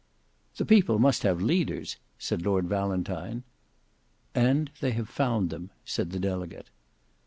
"The people must have leaders," said Lord Valentine. "And they have found them," said the delegate.